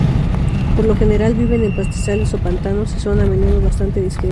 Por lo general viven en pastizales o pantanos y son a menudo bastante discretos.